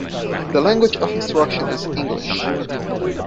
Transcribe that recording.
The language of instruction is English.